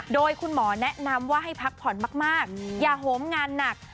โดยคุณหมอแนะนำว่าให้พักผ่อนมากอย่าโหมงานหนัก